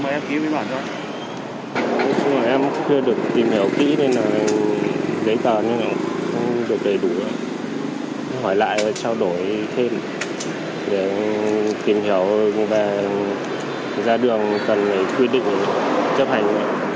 hỏi lại và trao đổi thêm để tìm hiểu và ra đường cần quy định chấp hành